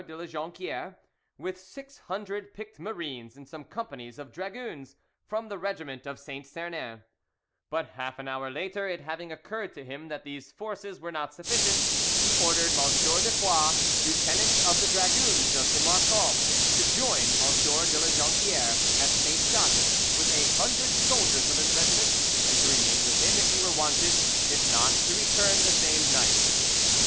de La Jonquiere, with six hundred picked marines and some companies of dragoons from the regiment of Saint Sernin, but half an hour later, it having occurred to him that these forces were not sufficient, he ordered M. de Foix, lieutenant of the dragoons of Fimarqon, to join M. de La Jonquiere at Sainte Chatte with a hundred soldiers of his regiment, and to remain with him if he were wanted; if not, to return the same night.